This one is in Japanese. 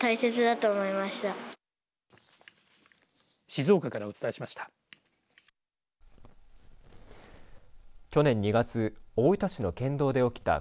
静岡からお伝えしました。